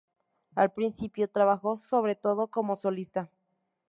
Al principio trabajó sobre todo como solista.